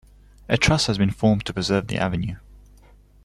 A trust has been formed to preserve the avenue.